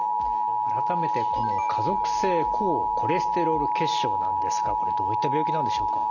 改めてこの家族性高コレステロール血症なんですがこれどういった病気なんでしょうか？